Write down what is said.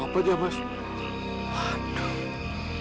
apa itu apa itu mas